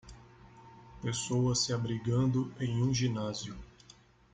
Pessoas se abrigando em um ginásio